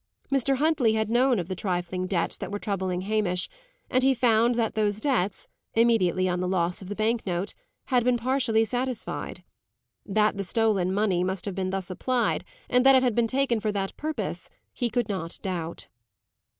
Mr. Huntley had known of the trifling debts that were troubling Hamish, and he found that those debts, immediately on the loss of the bank note, had been partially satisfied. That the stolen money must have been thus applied, and that it had been taken for that purpose, he could not doubt.